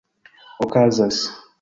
okazas